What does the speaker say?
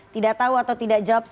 tidak tahu atau tidak jawab